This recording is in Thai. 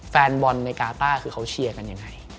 แฟนบอลในกาต้าคือเขาเชียร์กันยังไง